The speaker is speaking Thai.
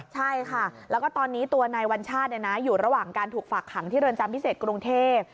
ใช่ค่ะแล้วก็ตอนนี้ตัวนายวัญชาติอยู่ระหว่างการถูกฝากขังที่เรือนจำพิเศษกรุงเทพ